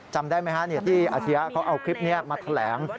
จำได้ไหมฮะที่อาชียะเขาเอาคลิปนี้มาแถลง